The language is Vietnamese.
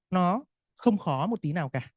nó không khó một tí nào cả